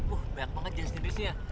wah banyak banget jenis jenisnya